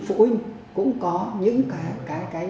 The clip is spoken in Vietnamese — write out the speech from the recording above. phụ huynh cũng có những cái